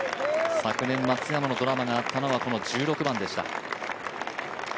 昨年、松山のドラマがあったのはこの１６番でした。